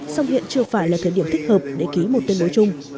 xong hiện chưa phải là thời điểm thích hợp để ký một tên đối chung